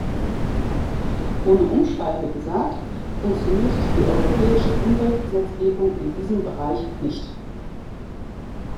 Ohne Umschweife gesagt, funktioniert die europäische Umweltgesetzgebung in diesem Bereich nicht.